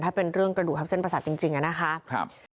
ถ้าเป็นเรื่องกระดูกทับเส้นประสาทจริงอะนะคะ